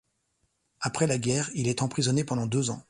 Après la guerre, il est emprisonné pendant deux ans.